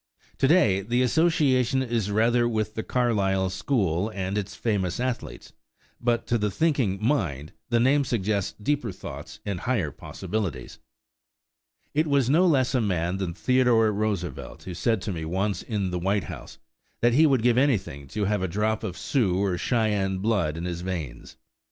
To day the association is rather with the Carlisle school and its famous athletes; but to the thinking mind the name suggests deeper thoughts and higher possibilities. It was no less a man than Theodore Roosevelt who said to me once in the White House that he would give anything to have a drop of Sioux or Cheyenne blood in his veins.